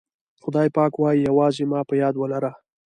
خدای پاک وایي یوازې ما په یاد ولره.